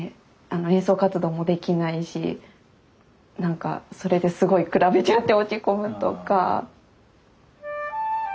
演奏活動もできないし何かそれですごい比べちゃって落ち込むとか。